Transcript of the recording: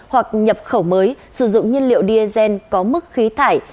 hoặc nhập khẩu mới sử dụng nhiên liệu diesel có mức khí thải